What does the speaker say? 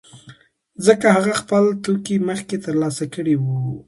ځکه هغه خپل توکي مخکې ترلاسه کړي وو